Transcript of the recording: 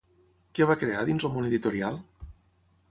Què va crear dins el món editorial?